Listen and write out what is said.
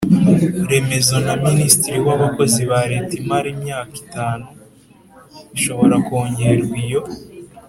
Remezo Na Minisitiri W Abakozi Ba Leta Imara Imyaka Itanu Ishobora Kongerwa Iyo